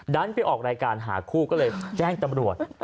ไปออกรายการหาคู่ก็เลยแจ้งตำรวจ